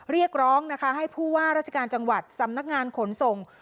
เรียกร้องนะคะให้ผู้ว่าราชการจังหวัดสำนักงานขนส่ง